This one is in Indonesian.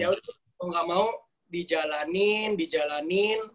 ya udah kok gak mau di jalanin di jalanin